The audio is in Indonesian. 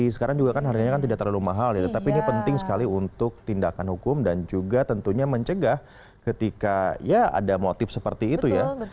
sekarang juga kan harganya kan tidak terlalu mahal tapi ini penting sekali untuk tindakan hukum dan juga tentunya mencegah ketika ya ada motif seperti itu ya